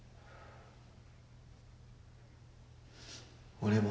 俺も。